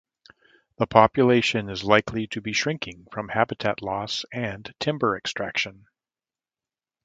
The population is likely to be shrinking from habitat loss and timber extraction.